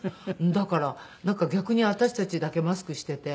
だから逆に私たちだけマスクしていて。